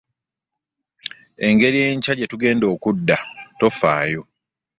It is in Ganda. Engeri enkya gye tugenda okudda tofaayo.